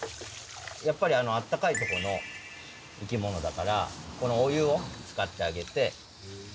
やっぱり暖かいとこの生き物だからこのお湯を使ってあげて。